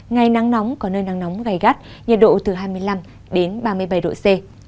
ngày nắng nóng có nơi nắng nóng gai gắt nhiệt độ từ hai mươi năm đến ba mươi bảy độ c